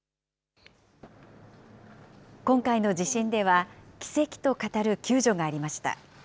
今回の地震では、奇跡と語る救助がありました。